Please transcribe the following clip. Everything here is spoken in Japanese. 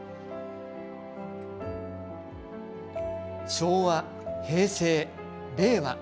昭和、平成、令和。